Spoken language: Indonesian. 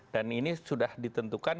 dan ini sudah ditentukan